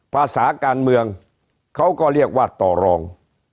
ภาษาการเมืองเขาก็เรียกว่าต่อรอง